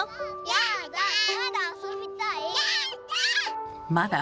やだ！